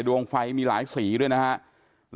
ดวงไฟมีหลายสีด้วยนะครับ